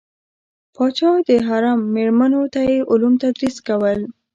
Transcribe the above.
پاچا د حرم میرمنو ته یې علوم تدریس کول.